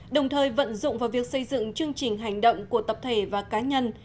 đồng thời vận dụng vào việc xây dựng chương trình hành động của tập thể và cá nhân